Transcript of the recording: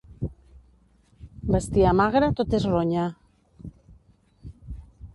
Bestiar magre, tot és ronya.